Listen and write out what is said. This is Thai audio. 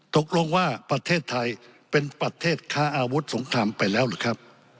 ตกลงว่าประเทศไทยเป็นประเทศค้าอาวุธสงครามไปแล้วหรือครับ